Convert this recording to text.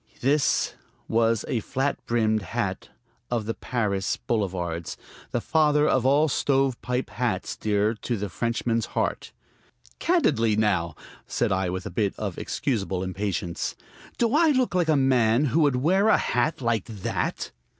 "This" was a flat brimmed hat of the Paris boulevards, the father of all stovepipe hats, dear to the Frenchman's heart. "Candidly, now," said I with a bit of excusable impatience, "do I look like a man who would wear a hat like that?"